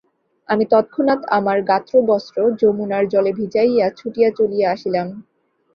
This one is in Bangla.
আমি তৎক্ষণাৎ আমার গাত্রবস্ত্র যমুনার জলে ভিজাইয়া ছুটিয়া চলিয়া আসিলাম।